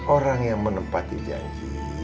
orang yang menepati janji